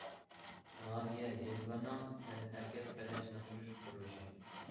ناھىيە، يېزىلارنىڭ تەنھەرىكەت، بەدەن چېنىقتۇرۇش قۇرۇلۇشى.